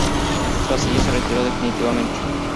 Tras ellas se retiró definitivamente.